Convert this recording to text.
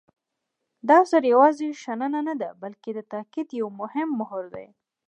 دا اثر یوازې شننه نه دی بلکې د تاکید یو مهم مهر دی.